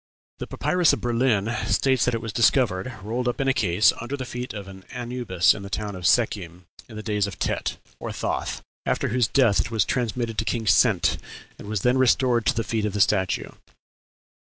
"The papyrus of Berlin" states that it was discovered, rolled up in a case, under the feet of an Anubis in the town of Sekhem, in the days of Tet (or Thoth), after whose death it was transmitted to King Sent, and was then restored to the feet of the statue.